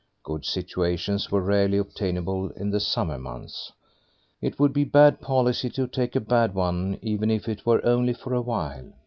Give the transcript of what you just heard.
Good situations were rarely obtainable in the summer months; it would be bad policy to take a bad one, even if it were only for a while.